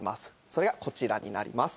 それがこちらになります